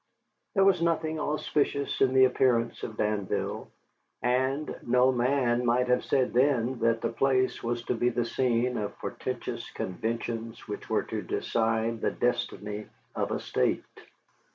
There was nothing auspicious in the appearance of Danville, and no man might have said then that the place was to be the scene of portentous conventions which were to decide the destiny of a State.